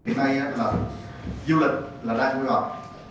hiện nay là du lịch là đang nguy hiểm